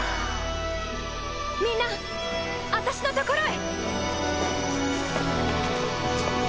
みんな私のところへ！